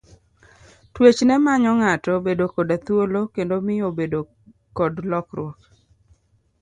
Twech ne manyo ng'ato bedo koda thuolo kendo miyo obedo kod lokruok.